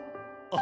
「あ！」